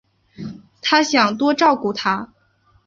她想多照顾她